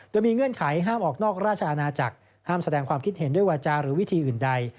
โดยมีเงื่อนไขห้ามออกนอกราชอาณาจักรห้ามแสดงความคิดเห็นด้วยวาจาหรือวิธีอื่นใด